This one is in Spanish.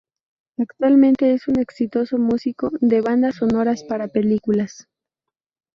Actualmente, es un exitoso músico de bandas sonoras para películas.